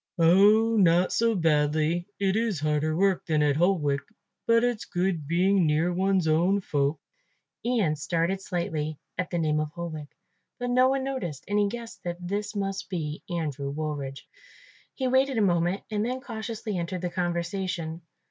"Oh, not so badly; it is harder work than at Holwick, but it's good being near one's own folk." Ian started slightly at the name of Holwick, but no one noticed and he guessed that this must be Andrew Woolridge. He waited a moment and then cautiously entered the conversation.